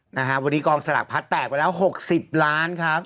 นะฮะวันนี้กองสลักพัดแตกไปแล้ว๖๐ล้านครับ